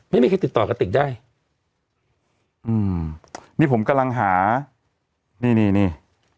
ไม่มีใครติดต่อกระติกได้อืมนี่ผมกำลังหานี่นี่นี่